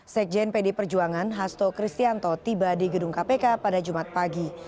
sekjen pd perjuangan hasto kristianto tiba di gedung kpk pada jumat pagi